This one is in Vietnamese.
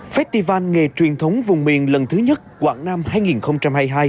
festival nghề truyền thống vùng miền lần thứ nhất quảng nam hai nghìn hai mươi hai